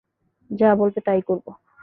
যা বলবে তাই করবো।